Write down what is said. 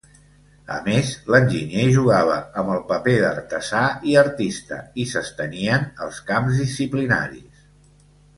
A més, l'enginyer jugava amb el paper d'artesà i artista i s'estenien els camps disciplinaris.